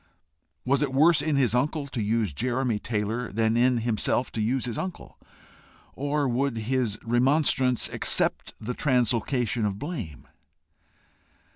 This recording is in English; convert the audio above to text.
Was it worse in his uncle to use Jeremy Taylor than in himself to use his uncle? Or would his remonstrants accept the translocation of blame?